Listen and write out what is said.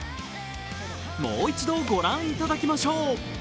もう一度、御覧いただきましょう。